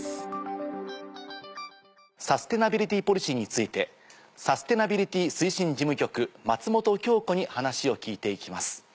サステナビリティポリシーについてサステナビリティ推進事務局松本京子に話を聞いて行きます。